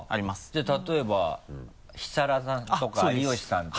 じゃあ例えば設楽さんとか有吉さんとか。